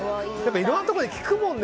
いろんなところで聴くもんね。